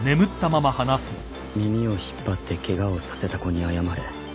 耳を引っ張ってケガをさせた子に謝れ。